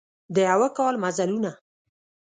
د یوه کال مزلونه